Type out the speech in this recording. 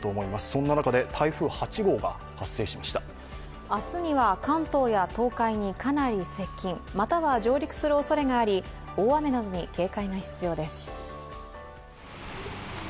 そんな中で台風８号が発生しました明日には関東や東海にかなり接近、または上陸するおそれがあり大雨などに警戒が必要です。